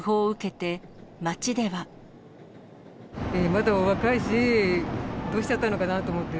まだお若いし、どうしちゃったのかなと思って。